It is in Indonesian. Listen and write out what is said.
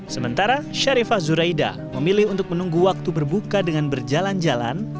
sementara sharifah zuraida memilih untuk menunggu waktu berbuka dengan berjalan jalan